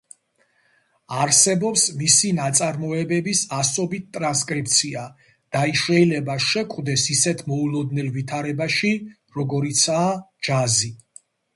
არსებობს მისი ნაწარმოებების ასობით ტრანსკრიპცია და ის შეიძლება შეგვხვდეს ისეთ მოულოდნელ ვითარებაში, როგორიცაა ჯაზი.